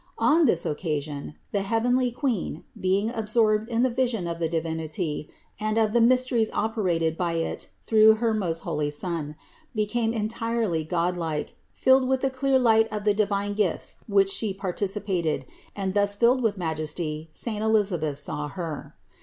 On this oc casion, the heavenly Queen, being absorbed in the vision of the Divinity and of the mysteries operated by it through her most holy Son, became entirely godlike, filled with the clear light of the divine gifts which She participated; and thus filled with majesty saint Elisabeth saw Her.